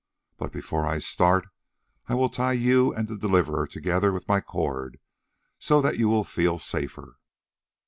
But before I start, I will tie you and the Deliverer together with my cord, for so you will feel safer."